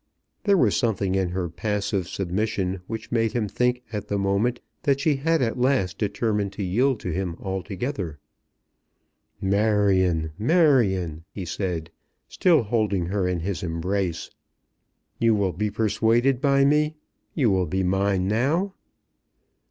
There was something in her passive submission which made him think at the moment that she had at last determined to yield to him altogether. "Marion, Marion," he said, still holding her in his embrace, "you will be persuaded by me? You will be mine now?"